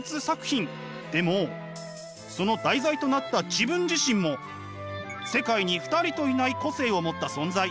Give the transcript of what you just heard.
でもその題材となった自分自身も世界に２人といない個性を持った存在。